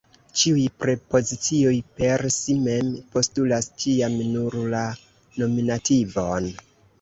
Ĉiuj prepozicioj per si mem postulas ĉiam nur la nominativon.